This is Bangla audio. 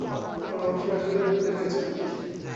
তোকে নবাব সিরাজউদ্দৌলার ভূতে পেয়েছে নাকি?